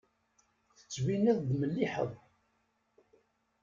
Tettbineḍ-d melliḥeḍ.